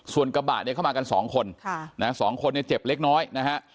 ส่วนกระบะเนี่ยเข้ามากันสองคนสองคนเนี่ยเจ็บเล็กน้อยนะฮะ